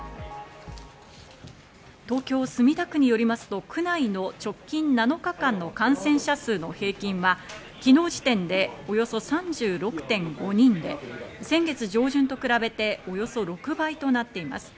東京・墨田区によりますと、区内の直近７日間の感染者数の平均は昨日時点でおよそ３６．５人で、先月上旬と比べておよそ６倍となっています。